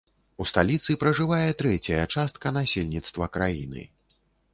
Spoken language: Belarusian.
У сталіцы пражывае трэцяя частка насельніцтва краіны.